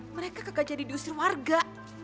mereka kagak jadi duit warga